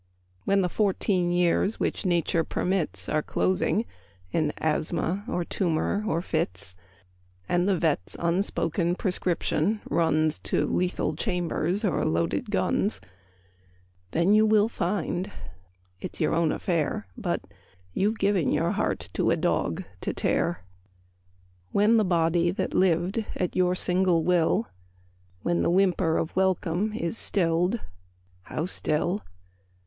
When the fourteen years which Nature permits Are closing in asthma, or tumour, or fits, And the vet's unspoken prescription runs To lethal chambers or loaded guns, Then you will find it's your own affair But... you've given your heart to a dog to tear. When the body that lived at your single will When the whimper of welcome is stilled (how still!)